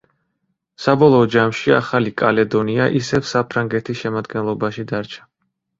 საბოლოო ჯამში ახალი კალედონია ისევ საფრანგეთის შემადგენლობაში დარჩა.